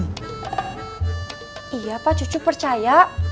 iya pak cu percaya